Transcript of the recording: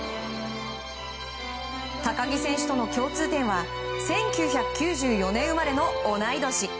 高木選手との共通点は１９９４年生まれの同い年。